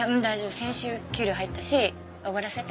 先週給料入ったしおごらせて。